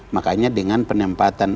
makanya dengan penempatan